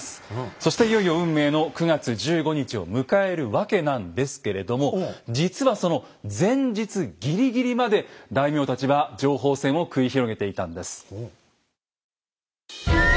そしていよいよ運命の９月１５日を迎えるわけなんですけれども実はその前日ギリギリまで大名たちは情報戦を繰り広げていたんです。